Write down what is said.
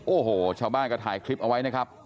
โอ้โหชาวบ้านก็ถ่ายคลิปเอาไว้นะครับ